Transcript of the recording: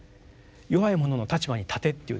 弱い者の立場に立てっていうですね。